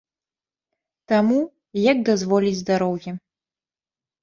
Таму, як дазволіць здароўе.